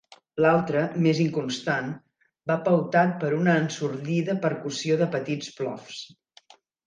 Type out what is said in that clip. L'altre, més inconstant, va pautat per una ensordida percussió de petits plofs.